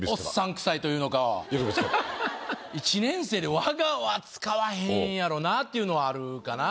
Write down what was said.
１年生で「わが」は使わへんやろなっていうのはあるかなぁ。